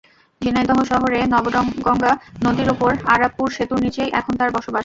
ঝিনাইদহ শহরে নবগঙ্গা নদীর ওপর আরাপপুর সেতুর নিচেই এখন তাঁর বসবাস।